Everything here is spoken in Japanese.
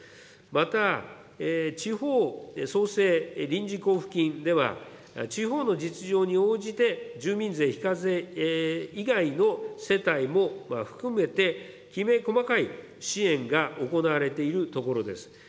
また、地方創生臨時交付金では、地方の実情に応じて、住民税非課税以外の世帯も含めて、きめ細かい支援が行われているところです。